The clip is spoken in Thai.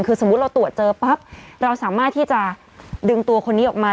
คือสมมุติเราตรวจเจอปั๊บเราสามารถที่จะดึงตัวคนนี้ออกมา